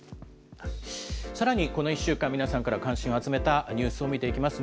さらにこの１週間、皆さんから関心を集めたニュースを見ていきます。